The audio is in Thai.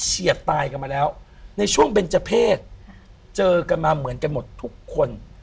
เฉียดตายกันมาแล้วในช่วงเบนเจอร์เพศเจอกันมาเหมือนกันหมดทุกคน